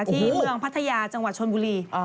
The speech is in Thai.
ที่เมืองพัทยาจังหวัดชนบุรี